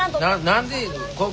何で？